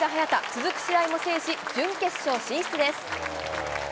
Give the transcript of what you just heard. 続く試合も制し、準決勝進出です。